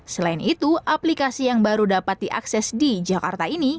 selain itu aplikasi yang baru dapat diakses di jakarta ini